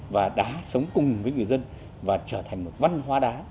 và đá sống cùng với người dân và trở thành một văn hóa đá